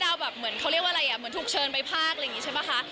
แบบเหมือนเขาเรียกว่าอะไรอ่ะเหมือนถูกเชิญไปภาคอะไรอย่างนี้ใช่ป่ะคะ